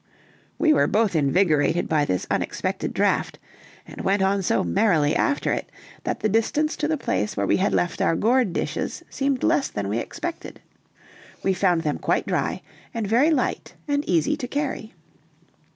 We were both invigorated by this unexpected draught, and went on so merrily after it, that the distance to the place where we had left our gourd dishes seemed less than we expected. We found them quite dry, and very light and easy to carry.